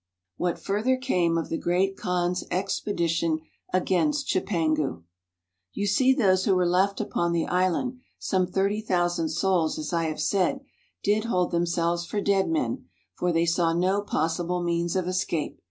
What Further Came of the Great Kaan's Expe dition Against Chipangu You see those who were left upon the island, some 30,000 souls, as I have said, did hold themselves for dead men, for they saw no possible means of escape.